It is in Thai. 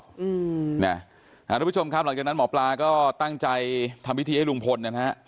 ทุกผู้ชมครับหลังจากนั้นหมอปลาก็ตั้งใจทำพิธีให้ลุงพลนะฮะ